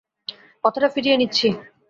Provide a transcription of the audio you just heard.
কথাটা ফিরিয়ে নিচ্ছি।